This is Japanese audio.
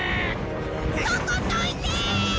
そこどいてー！